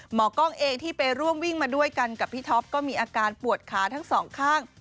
หมอกล้องเองที่ไปร่วมวิ่งมาด้วยกันกับพี่ท็อปก็มีอาการปวดขาทั้งสองข้าง